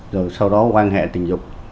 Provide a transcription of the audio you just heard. rồi sau đó quan hệ tình dục